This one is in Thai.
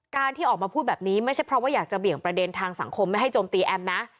ที่ออกมาพูดแบบนี้ไม่ใช่เพราะว่าอยากจะเบี่ยงประเด็นทางสังคมไม่ให้โจมตีแอมนะ